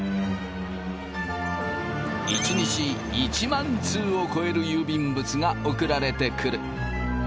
１日１００００通を超える郵便物が送られてくる。